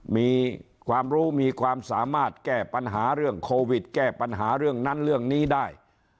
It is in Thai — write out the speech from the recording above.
มีความรู้มีความสามารถแก้ปัญหาเรื่องโควิดแก้ปัญหาเรื่องนั้นเรื่องนี้ได้